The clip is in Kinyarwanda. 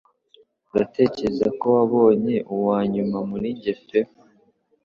Uratekereza ko wabonye uwanyuma muri njye pe